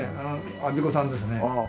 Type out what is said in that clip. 安孫子さんですね。